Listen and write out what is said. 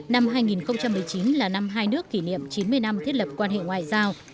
năm hai nghìn một mươi chín là năm hai nước kỷ niệm chín mươi năm thiết lập quan hệ ngoại giao